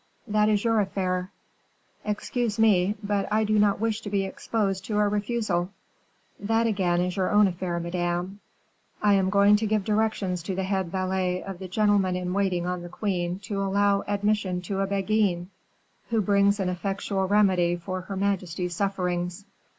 "That is your affair." "Excuse me, but I do not wish to be exposed to a refusal." "That is again your own affair, madame. I am going to give directions to the head valet of the gentleman in waiting on the queen to allow admission to a Beguine, who brings an effectual remedy for her majesty's sufferings.